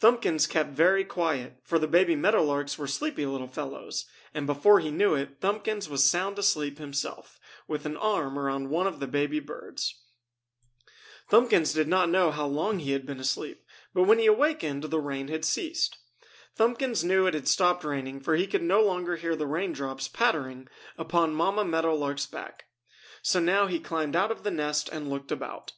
Thumbkins kept very quiet, for the baby meadow larks were sleepy little fellows, and before he knew it Thumbkins was sound asleep himself, with an arm around one of the baby birds. Thumbkins did not know how long he had been asleep, but when he awakened the rain had ceased. Thumbkins knew it had stopped raining for he could no longer hear the rain drops pattering upon Mamma Meadow Lark's back. So now he climbed out of the nest and looked about.